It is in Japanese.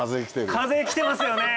風来てますよね！